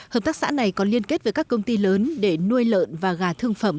hợp tác xã này còn liên kết với các công ty lớn để nuôi lợn và gà thương phẩm